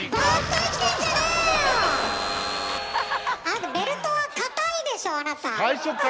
あなたベルトはかたいでしょあなた。